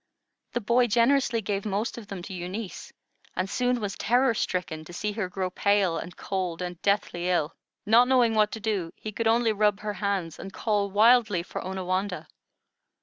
The boy generously gave most of them to Eunice, and soon was terror stricken to see her grow pale, and cold, and deathly ill. Not knowing what to do, he could only rub her hands and call wildly for Onawandah.